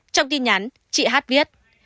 trong tin nhắn chị hát viết